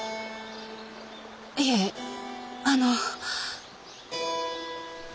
いえあの。